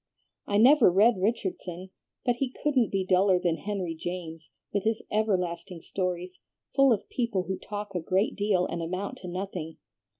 "I never read Richardson, but he couldn't be duller than Henry James, with his everlasting stories, full of people who talk a great deal and amount to nothing.